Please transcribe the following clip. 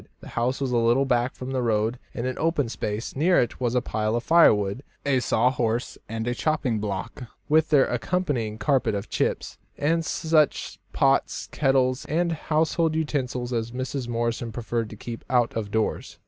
The house was a little back from the road in an open space; near it was a pile of firewood, a saw horse and chopping block, with their accompanying carpet of chips, and such pots, kettles, and household utensils as Mrs. Morrison preferred to keep out of doors.